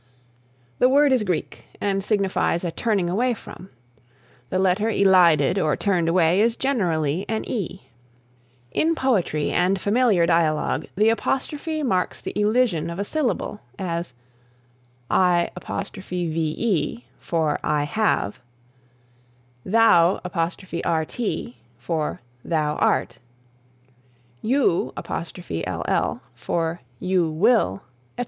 The word is Greek and signifies a turning away from. The letter elided or turned away is generally an e. In poetry and familiar dialogue the apostrophe marks the elision of a syllable, as "I've for I have"; "Thou'rt for thou art"; "you'll for you will," etc.